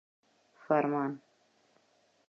فرمان